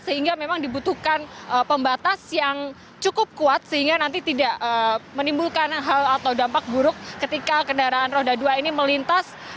sehingga memang dibutuhkan pembatas yang cukup kuat sehingga nanti tidak menimbulkan hal atau dampak buruk ketika kendaraan roda dua ini melintas